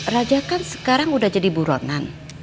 raja kan sekarang udah jadi buronan